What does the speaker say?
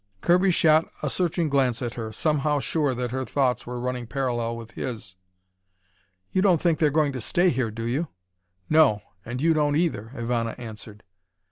Kirby shot a searching glance at her, somehow sure that her thoughts were running parallel with his. "You don't think they're going to stay here, do you?" "No, and you don't either," Ivana answered.